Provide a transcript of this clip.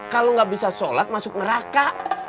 kalau nggak bisa sholat masuk neraka